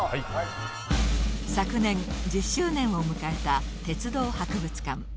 昨年１０周年を迎えた鉄道博物館。